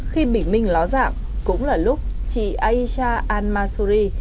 khi bình minh ló dạng cũng là lúc chị ayja al masuri